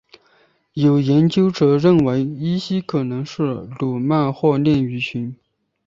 有研究者认为依西可能是鲈鳗或鲢鱼群。